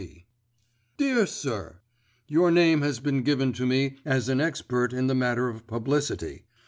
G. DEAR SIR, Your name has been given to me as an expert in the matter of publicity.